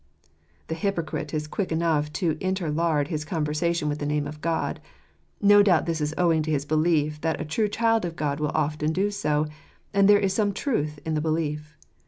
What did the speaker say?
The hypocrite is quick enough to interlard his conversation with the name of God : no doubt this is owing to his belief that a true child of God will often do so; and there is some truth in the belief.